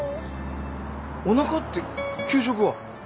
おなかって給食は。